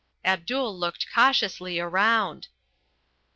Abdul looked cautiously around.